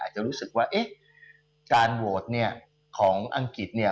จะรู้สึกว่าเอ๊ะการโหวตเนี่ยของอังกฤษเนี่ย